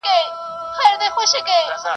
تر بور به وي پښېمانه د پېړیو له بدیو ..